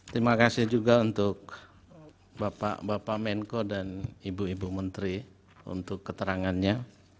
terima kasih juga untuk bapak bapak menko dan ibu ibu menteri untuk keterangannya